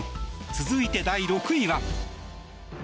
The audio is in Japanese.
続いて第６位は。